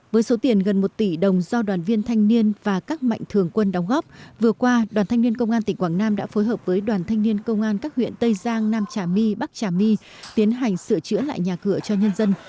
với số tiền gần một tỷ đồng do đoàn viên thanh niên và các mạnh thường quân đóng góp vừa qua đoàn thanh niên công an tỉnh quảng nam đã phối hợp với đoàn thanh niên công an các huyện tây giang nam trà my bắc trà my tiến hành sửa chữa lại nhà cửa cho nhân dân